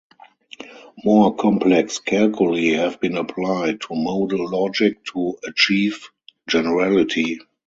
More complex calculi have been applied to modal logic to achieve generality.